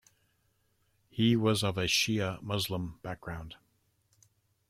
He was of a Shia Muslim background.